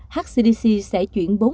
hcdc sẽ chuyển bốn bệnh viện